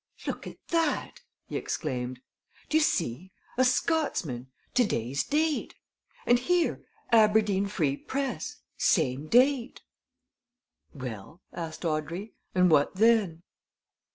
"Look at that!" he exclaimed. "Do you see? A Scotsman! Today's date! And here Aberdeen Free Press same date!" "Well?" asked Audrey. "And what then?"